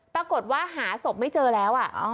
ปรากฏว่าหาศพไม่เจอแล้ว